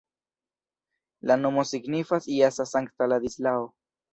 La nomo signifas jasa-sankta-Ladislao.